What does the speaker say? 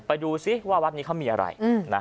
ไปดูซิว่าวัดนี้เขามีอะไรนะ